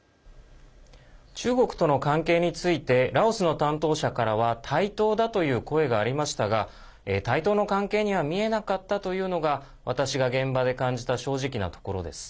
中国との関係についてラオスの担当者からは対等だという声がありましたが対等の関係には見えなかったというのが私が現場で感じた正直なところです。